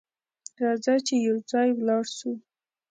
راځه چې یو ځای ولاړ سو!